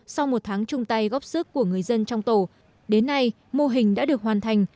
sau một tháng chung tay góp sức của người dân trong tổ đến nay mô hình đã được hoàn thành